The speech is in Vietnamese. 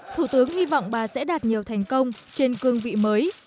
thủ tướng hy vọng bà sẽ đạt nhiều thành công trên cương vị mới